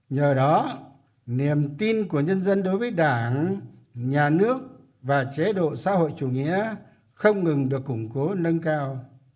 nhờ đó niềm tin của nhân dân đối với đảng nhà nước và chế độ xã hội chủ nghĩa không ngừng được củng cố nâng cao